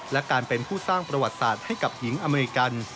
และการเป็นผู้สร้างประวัติศาสตร์ให้กับหญิงอเมริกัน